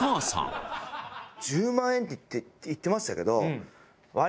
１０万円って言ってましたけど。